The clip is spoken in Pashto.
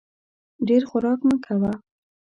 ډېر خوراک مه کوه !